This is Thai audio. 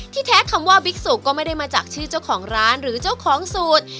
แท้คำว่าบิ๊กสุก็ไม่ได้มาจากชื่อเจ้าของร้านหรือเจ้าของสูตร